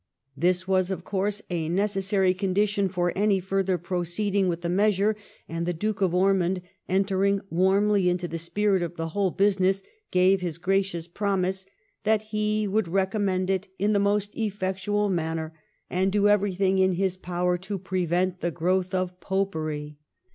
This was, of course, a necessary condition for any further proceeding with the measure, and the Duke of Ormond, entering warmly into the spirit of the whole business, gave his gracious promise ' that he would recommend it in the most effectual manner and do everything in his power to prevent the growth of Popery.'